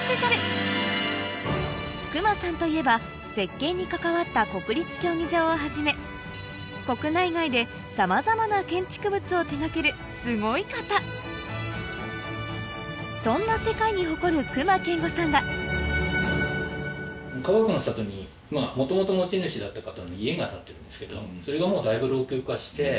今週も世界的隈さんといえば設計に関わった国立競技場をはじめ国内外でさまざまな建築物を手掛けるすごい方そんな世界に誇る隈研吾さんがかがくの里に元々持ち主だった方の家が建ってるんですけどそれがもうだいぶ老朽化して。